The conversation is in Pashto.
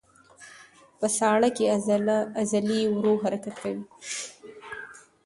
په ساړه کې عضلې ورو حرکت کوي.